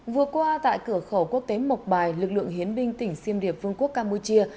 vừa qua tại cửa khẩu quốc tế mộc bài lực lượng hiến binh tỉnh xiêm điệp vương quốc campuchia